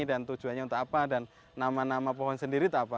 dan tujuannya untuk apa dan nama nama pohon sendiri itu apa